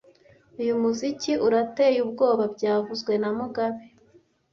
Uyu muziki urateye ubwoba byavuzwe na mugabe